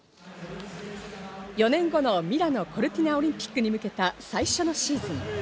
４年後のミラノ・コルティナオリンピックに向けた最初のシーズン。